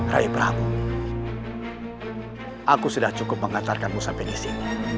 raya prabu aku sudah cukup mengacarkanmu sampai di sini